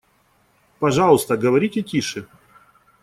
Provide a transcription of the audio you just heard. Пожалуйста, говорите тише.